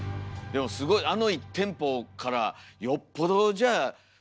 でもすごいあの１店舗からよっぽどじゃあ広まったんですね。